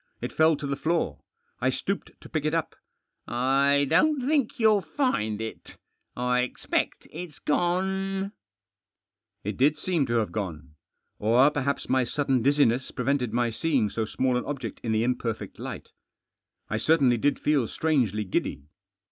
It fell to the floor. I stooped to pick it up. " I don't think you'll find it I expect it's gone." It did seem to have gone. Or perhaps my sudden dizziness prevented my seeing so small an object in the Digitized by THE FATHER— AND HIS CHILD. 271 imperfect light. I certainly did feel strangely giddy.